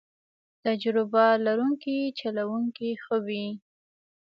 تجربه لرونکی چلوونکی ښه وي.